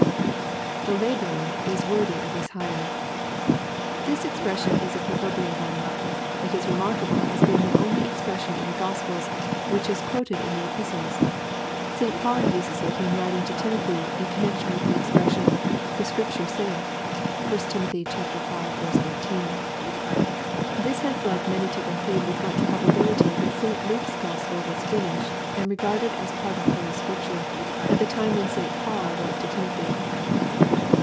[The hhorer is worihy of his Aire.] This expression is a pro verbial one. It is remarkable as being the only expression in the Q ospels which is quoted in the Epistles. St. Paul uses it in writ ing to Timothy, in connection with the expression " the Scripture saith." (1 Tim. v. 18.) This has led many to conclude with much probability that St. Luke's Gospel was finished, and regarded as part of Hol^ Scripture, at the time when St. Paul wrote to Timothy.